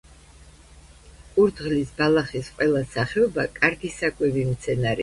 კურდღლის ბალახის ყველა სახეობა კარგი საკვები მცენარეა.